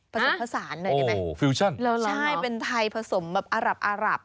ผสมภาษาหน่อยได้ไหมใช่เป็นไทยผสมแบบอารับอารับ